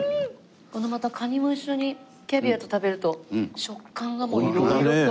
このまたカニも一緒にキャビアと食べると食感がもう色々と。